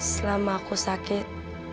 selama aku sakit